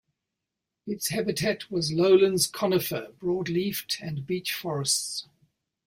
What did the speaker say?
Its habitat was lowland conifer, broad-leafed, and beech forests.